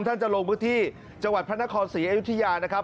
ท่านจะลงพื้นที่จังหวัดพระนครศรีอยุธยานะครับ